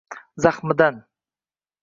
zahmidan